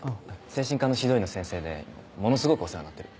精神科の指導医の先生でものすごくお世話になってる。